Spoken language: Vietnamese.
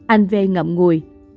anh v ngậm ngùi